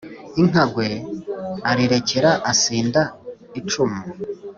Inkagwe arirekera asinda icumu